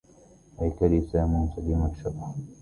هيكلي سام سليم الشبح